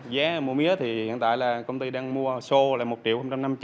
giá mua mía thì hiện tại là công ty đang mua sô là một hai trăm năm mươi triệu